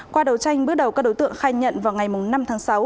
qua đầu tranh bước đầu các đối tượng khai nhận vào ngày năm tháng sáu